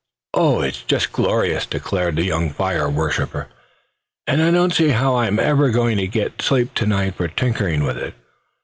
"Oh! it's just glorious!" declared the young fire worshipper; "and I don't see how I'm ever going to get to sleep to night for tinkering with it.